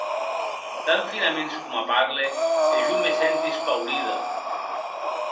Tan finaments coma parle, e jo me senti espaurida!